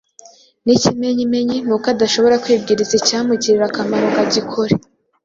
n'ikimenyimenyi n'uko adashobora kwibwiriza icyamugirira akamaro ngo agikore